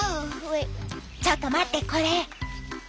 ちょっと待ってこれ。